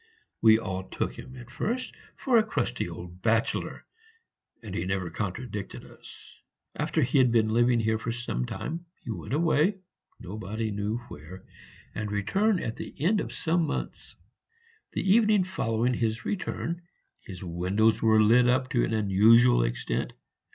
We all took him at first for a crusty old bachelor, and he never contradicted us. After he had been living here some time, he went away, nobody knew where, and returned at the end of some months. The evening following his return his windows were lit up to an unusual extent!